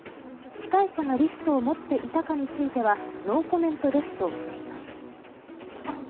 司会者がリストを持っていたかについてはノーコメントですとしています。